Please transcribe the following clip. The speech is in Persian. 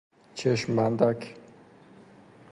چشم بندک